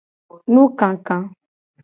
Nukaka.